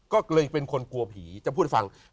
ก็เลยเป็นคนกลัวผีจะพูดให้ฟัง